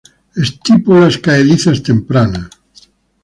Estípulas caedizas tempranas.